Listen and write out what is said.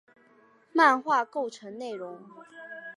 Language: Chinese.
漫画构成内容。